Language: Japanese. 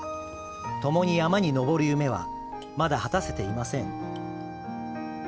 ともに山に登る夢はまだ果たせていません。